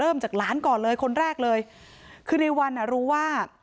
จากหลานก่อนเลยคนแรกเลยคือในวันอ่ะรู้ว่า